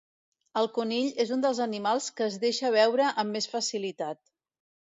El conill és un dels animals que es deixa veure amb més facilitat.